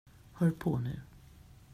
Hör på nu.